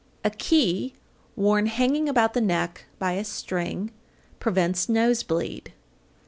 A key worn hanging about the neck by a string prevents nose bleed.